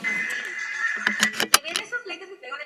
Ana Palacio.